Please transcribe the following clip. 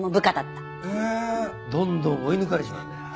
どんどん追い抜かれちまうんだよ。